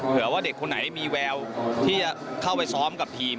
ว่าเด็กคนไหนมีแววที่จะเข้าไปซ้อมกับทีม